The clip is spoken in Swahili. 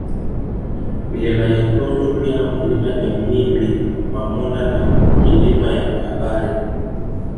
Milima ya Itonjo pia Mlima Jamimbi pamona na Milima ya Kabare